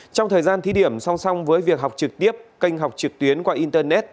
trong thời gian thí điểm song song với việc học trực tiếp kênh học trực tuyến qua internet